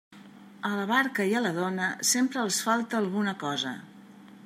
A la barca i a la dona, sempre els falta alguna cosa.